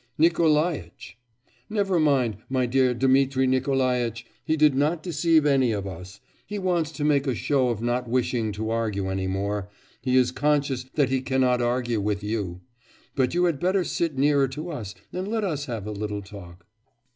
'Nikolaitch.' 'Never mind, my dear Dmitri Nikolaitch, he did not deceive any of us. He wants to make a show of not wishing to argue any more. He is conscious that he cannot argue with you. But you had better sit nearer to us and let us have a little talk.